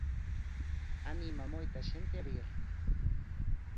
Anima moita xente a vir.